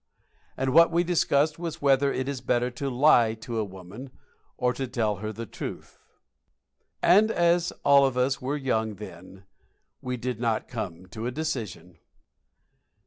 And what we discussed was whether it is better to lie to a woman or to tell her the truth. And as all of us were young then, we did not come to a decision.